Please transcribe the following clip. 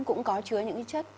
cũng có chứa những chất